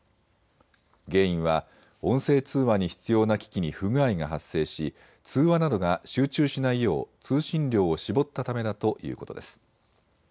原因は音声通話に必要な機器に不具合が発生し通話などが集中しないよう通信量を絞ったためだということです。